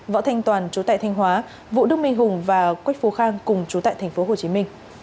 võ thanh toàn chú tại thanh hóa vũ đức minh hùng và quách phú khang cùng chú tại tp hcm